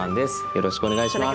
よろしくお願いします。